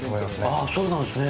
ああ、そうなんですね。